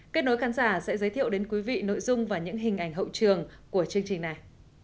kết nối khán giả sẽ giới thiệu đến quý vị nội dung và những hình ảnh hậu trường của chương trình này